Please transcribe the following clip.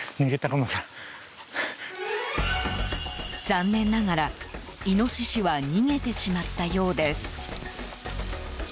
残念ながら、イノシシは逃げてしまったようです。